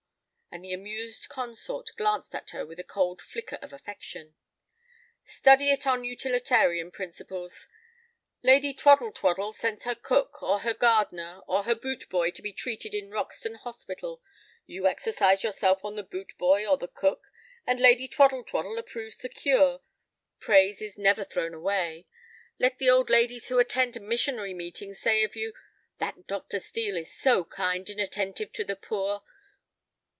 And the amused consort glanced at her with a cold flicker of affection. "Study it on utilitarian principles. Lady Twaddle twaddle sends her cook, or her gardener, or her boot boy to be treated in Roxton Hospital. You exercise yourself on the boot boy or the cook, and Lady Twaddle twaddle approves the cure. Praise is never thrown away. Let the old ladies who attend missionary meetings say of you, 'that Dr. Steel is so kind and attentive to the poor.